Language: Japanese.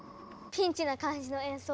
ピンチな感じの演奏。